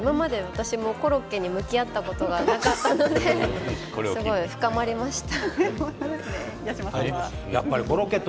コロッケに向き合ったことがなかったので深まりました。